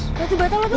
batu bata lo tuh kenapa